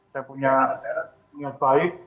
saya punya niat baik